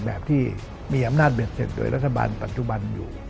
แบบที่มีอำนาจเบ็ดเสร็จโดยรัฐบาลปัจจุบันอยู่